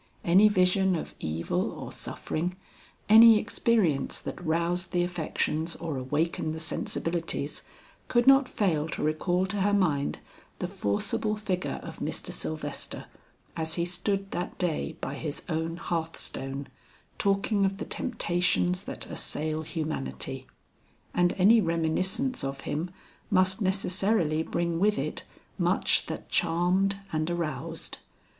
Any vision of evil or suffering, any experience that roused the affections or awakened the sensibilities, could not fail to recall to her mind the forcible figure of Mr. Sylvester as he stood that day by his own hearthstone, talking of the temptations that assail humanity; and any reminiscence of him must necessarily bring with it much that charmed and aroused.